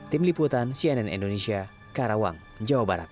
tim liputan cnn indonesia karawang jawa barat